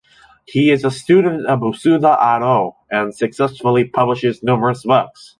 He is a student of Usuda Arō and successively publishes numerous books.